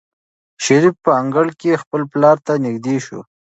شریف په انګړ کې خپل پلار ته نږدې شو.